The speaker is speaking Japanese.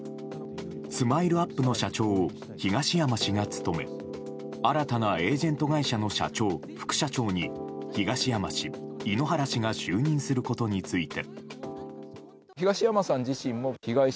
ＳＭＩＬＥ‐ＵＰ．の社長を東山氏が務め新たなエージェント会社の社長、副社長に東山氏、井ノ原氏が就任することについて。